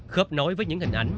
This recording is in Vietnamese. khớp nối với những hình ảnh